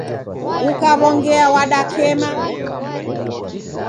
Ukaw'ongea wadakema.